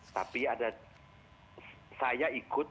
tapi ada saya ikut